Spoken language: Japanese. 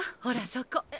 ほらそこ。